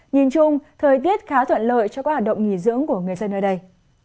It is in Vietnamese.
nhìn chung thời tiết khá thuận lợi cho các hoạt động nghỉ dưỡng của người dân nơi đây